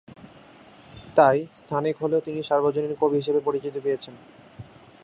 তাই স্থানিক হলেও তিনি সার্বজনীন কবি হিসেবে পরিচিত পেয়েছেন।